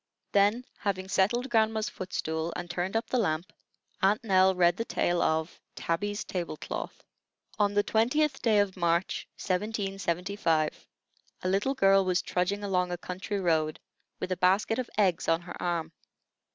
Then, having settled grandma's foot stool, and turned up the lamp, Aunt Nell read the tale of TABBY'S TABLE CLOTH. On the 20th day of March, 1775, a little girl was trudging along a country road, with a basket of eggs on her arm.